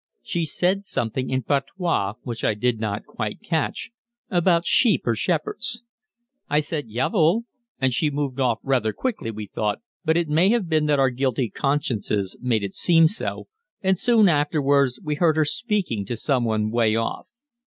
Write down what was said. She said something in patois which I did not quite catch, about sheep or shepherds. I said "Ja wohl," and she moved off rather quickly we thought, but it may have been that our guilty consciences made it seem so, and soon afterwards we heard her speaking to someone way off.